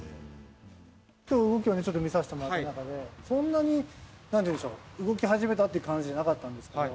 きょう、動きをちょっと見させてもらった中で、そんなに、なんていうんでしょう、動き始めたっていう感じじゃなかったんですけど。